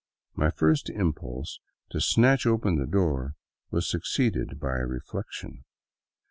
My first impulse to snatch open the door was succeeded by reflection.